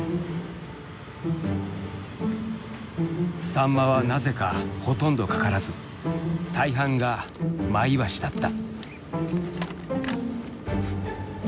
サンマはなぜかほとんど掛からず大半がマイワシだった。